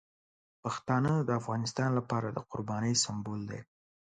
پښتانه د افغانستان لپاره د قربانۍ سمبول دي.